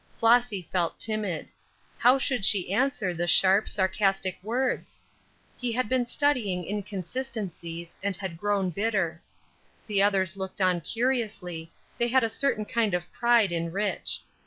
Flossy felt timid. How should she answer the sharp, sarcastic words? He had been studying inconsistencies, and had grown bitter. The others looked on curiously; they had a certain kind of pride in Rich.